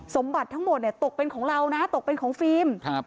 สมบัติทั้งหมดเนี่ยตกเป็นของเรานะตกเป็นของฟิล์ม